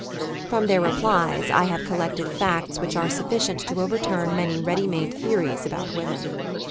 From their replies I have collected tacts which are sufficient to overturn many ready made theories about women.